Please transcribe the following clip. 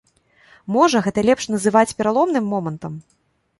Можа, гэта лепш называць пераломным момантам?